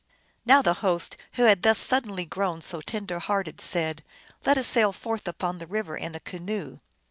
Now the host, who had thus suddenly grown so tender hearted, said, " Let us sail forth upon the river in a canoe."